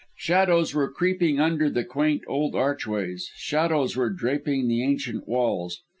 Shadows were creeping under the quaint old archways; shadows were draping the ancient walls.